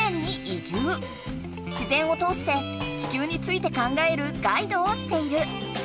自然を通して地球について考えるガイドをしている。